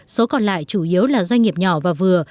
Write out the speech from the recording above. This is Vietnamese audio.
số còn lại chủ yếu là doanh nghiệp nhỏ và vừa